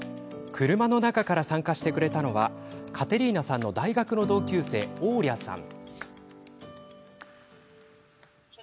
車の中から参加してくれたのはカテリーナさんの大学の同級生オーリャさん。